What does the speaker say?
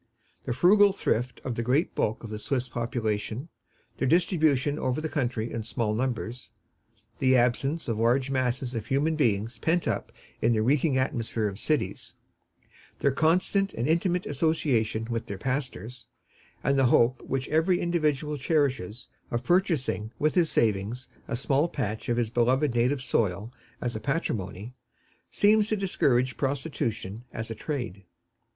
The frugal thrift of the great bulk of the Swiss population, their distribution over the country in small numbers, the absence of large masses of human beings pent up in the reeking atmosphere of cities, their constant and intimate association with their pastors, and the hope which every individual cherishes of purchasing with his savings a small patch of his beloved native soil as a patrimony, seem to discourage prostitution as a trade.